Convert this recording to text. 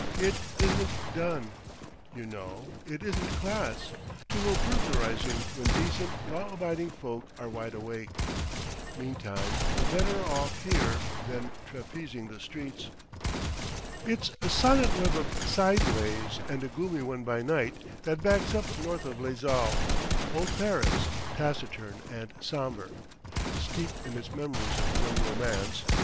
It isn't done, you know, it isn't class, to go burglarizing when decent, law abiding folk are wide awake.... Meantime we're better off here than trapezing the streets...." It's a silent web of side ways and a gloomy one by night that backs up north of Les Halles: old Paris, taciturn and sombre, steeped in its memories of grim romance.